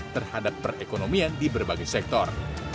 terhadap perekonomian di berbagai sektor